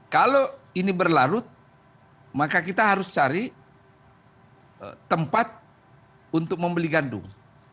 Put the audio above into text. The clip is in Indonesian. kalau ini berlarut maka kita harus cari tempat untuk membeli gandum